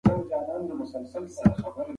ایا مورنۍ ژبه د زده کړې بهیر ګړندی کوي؟